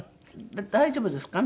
大丈夫ですか？